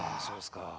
そうですか。